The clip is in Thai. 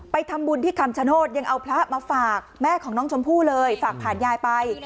ทำบุญที่คำชโนธยังเอาพระมาฝากแม่ของน้องชมพู่เลยฝากผ่านยายไป